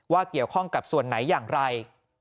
เกี่ยวข้องกับส่วนไหนอย่างไร